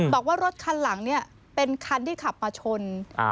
บอกว่ารถคันหลังเนี่ยเป็นคันที่ขับมาชน